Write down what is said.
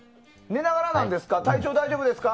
寝ながらなんですか？